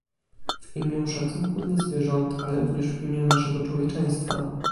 W imię szacunku dla zwierząt, ale również w imię naszego człowieczeństwa